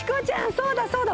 そうだそうだ。